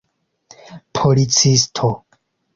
policisto